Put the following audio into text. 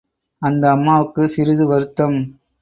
அந்த அம்மாவுக்குச் சிறிது வருத்தம்.